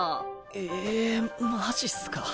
ええマジっすか。